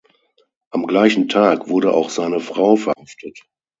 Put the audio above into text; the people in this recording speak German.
Am gleichen Tag wurde auch seine Frau verhaftet.